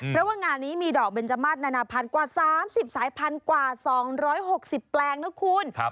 เพราะว่างานนี้มีดอกเบนจมาสนานาพันธุ์กว่า๓๐สายพันธุ์กว่า๒๖๐แปลงนะคุณ